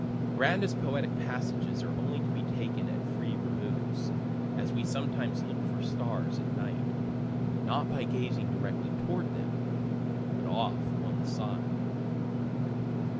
Grandest poetic passages are only to be taken at free removes, as we sometimes look for stars at night, not by gazing directly toward them, but off one side.